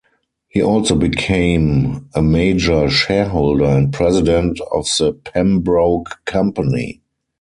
He also became a major shareholder and president of the Pembroke Company.